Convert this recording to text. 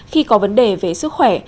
khi có vấn đề về sức khỏe